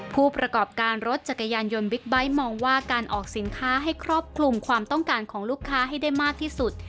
ผู้ประกอบการรถจักรยานยนต์บิ๊กไบท์มองว่าการออกสินค้าให้ครอบคลุมความต้องการของลูกค้าให้ได้มากที่สุด